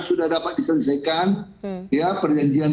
sudah dapat diselesaikan ya perjanjian